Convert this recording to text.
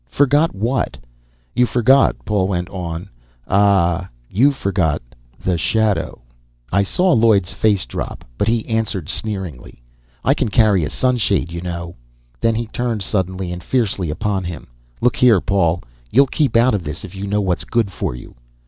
"Forget what?" "You forget," Paul went on—"ah, you forget the shadow." I saw Lloyd's face drop, but he answered sneeringly, "I can carry a sunshade, you know." Then he turned suddenly and fiercely upon him. "Look here, Paul, you'll keep out of this if you know what's good for you."